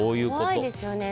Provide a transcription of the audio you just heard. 怖いですよね。